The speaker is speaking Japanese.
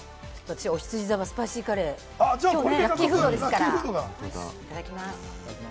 おひつじ座はスパイシーカレー、ラッキーフードですから、いただきます。